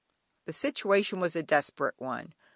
The situation was a desperate one.